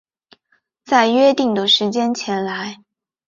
在约定的时间前来